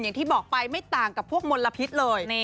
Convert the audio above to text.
อย่างที่บอกไปไม่ต่างกับพวกมลพิษเลย